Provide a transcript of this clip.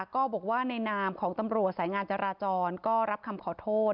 ก็บอกว่าในนามของตำรวจสายงานจราจรก็รับคำขอโทษ